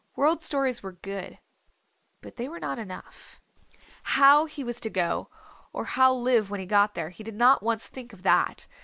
World Stories were good. But they were not enough. How he was to go, or how live when he got there he did not once think of that.